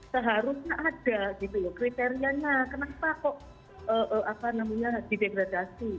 seharusnya ada gitu loh kriterianya kenapa kok didegradasi